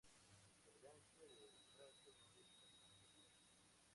La elegancia del trazo no deja de sorprender.